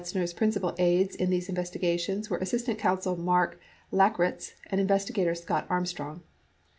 Serving as Mr. Lenzner's principal aides in those investigations were assistant counsel Marc Lackritz and investigator Scott Armstrong.